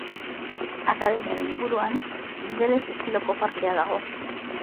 Akademiaren inguruan ingeles estiloko parkea dago.